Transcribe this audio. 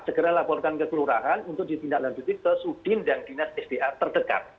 segera laporkan ke kelurahan untuk ditindaklanjuti ke sudin dan dinas sda terdekat